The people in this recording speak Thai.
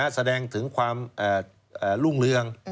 แสดงถึงความรุ่งเรือง